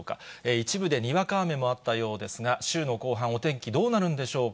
一部でにわか雨もあったようですが、週の後半、お天気どうなるんでしょうか。